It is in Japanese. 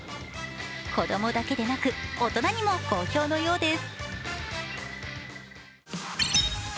子供だけでなく大人にも好評のようです。